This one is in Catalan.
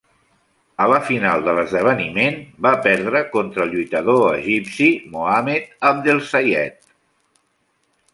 A la final de l'esdeveniment va perdre contra el lluitador egipci Mohamed Abdelsayed.